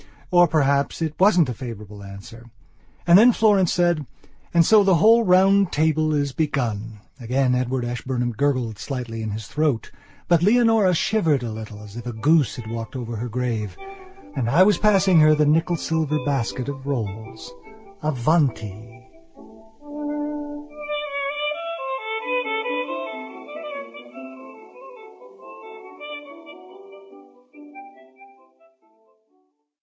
Or, perhaps, it wasn't a favourable answer. And then Florence said: "And so the whole round table is begun." Again Edward Ashburnham gurgled slightly in his throat; but Leonora shivered a little, as if a goose had walked over her grave. And I was passing her the nickel silver basket of rolls. Avanti!...